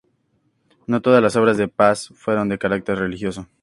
No todas las obras de Páez fueron de carácter religioso.